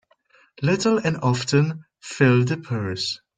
Little and often fill the purse.